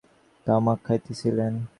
তখন ভবানীচরণ একলা বসিয়া তামাক খাইতেছিলেন।